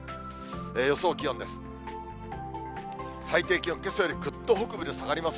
予想気温です。